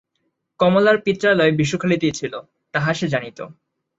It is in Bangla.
কমলার পিত্রালয় বিশুখালিতেই ছিল, তাহা সে জানিত।